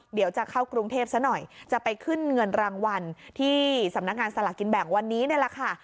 เดี๋ยวจะเข้ากรุงเทพซะหน่อยจะไปขึ้นเงินรางวัลที่สำนักงานสลากกินแบ่งวันนี้นี่แหละค่ะ